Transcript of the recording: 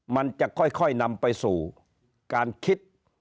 มันจะค่อยนำไปสู่การคิด